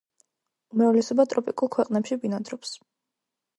უმრავლესობა ტროპიკულ ქვეყნებში ბინადრობს.